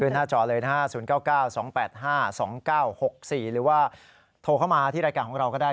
หน้าจอเลยนะฮะ๐๙๙๒๘๕๒๙๖๔หรือว่าโทรเข้ามาที่รายการของเราก็ได้